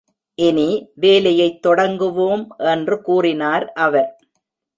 இனி, வேலையைத் தொடங்குவோம் என்று கூறினார் அவர்.